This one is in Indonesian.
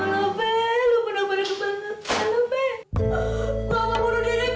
ya ya be lo bener bener banget